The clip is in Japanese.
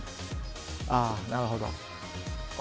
ああ、なるほど。